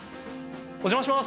お邪魔します。